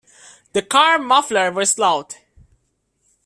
The car muffler was loud.